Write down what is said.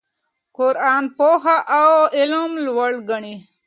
قرآن پوهه او علم لوړ ګڼي.